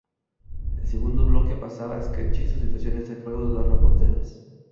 El segundo bloque pasaba a sketches o situaciones a cargo de los reporteros.